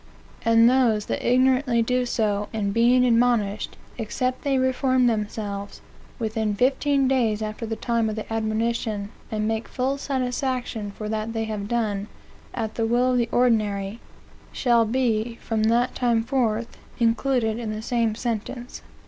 And those that ignorantly do so, and be admonished, except they reform themselves within fifteen days after the time of the admonition, and make full satisfaction for that they have done, at the will of the ordinary, shall be from that time forth included in the same sentence.